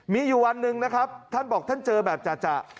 มีอยู่วันหนึ่งนะครับท่านบอกท่านเจอแบบจ่ะ